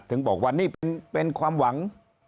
ถึงบอกว่านี่เป็นความหวัง